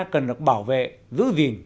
cần được bảo vệ giữ gìn